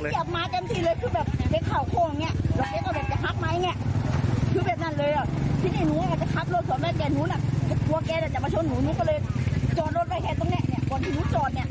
กลัวแกจะมาช้นหนูนี่ก็เลยจอดรถไปแค่ตรงเนี่ยที่หนูจอดเเหล่ะ